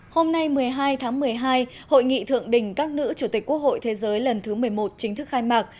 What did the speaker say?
hôm nay một mươi hai tháng một mươi hai hội nghị thượng đỉnh các nữ chủ tịch quốc hội thế giới lần thứ một mươi một chính thức khai mạc